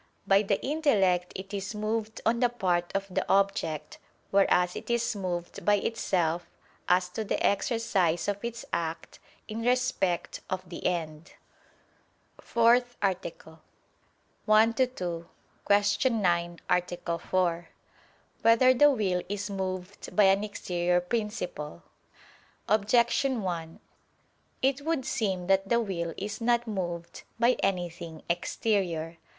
By the intellect it is moved on the part of the object: whereas it is moved by itself, as to the exercise of its act, in respect of the end. ________________________ FOURTH ARTICLE [I II, Q. 9, Art. 4] Whether the Will Is Moved by an Exterior Principle? Objection 1: It would seem that the will is not moved by anything exterior.